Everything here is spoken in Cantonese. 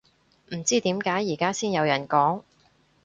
唔知點解而家先有人講